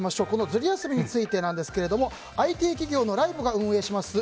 ズル休みについてですがＩＴ企業のライボが運営します